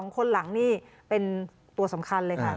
๒คนหลังนี่เป็นตัวสำคัญเลยค่ะ